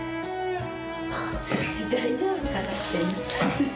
大丈夫かなって。